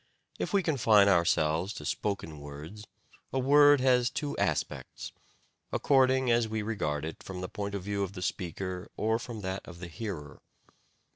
If we confine ourselves to spoken words, a word has two aspects, according as we regard it from the point of view of the speaker or from that of the hearer.